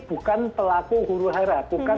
bukan pelaku huru hara bukan